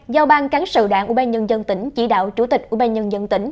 hai giao bang cán sự đảng ủy ban nhân dân tỉnh chỉ đạo chủ tịch ủy ban nhân dân tỉnh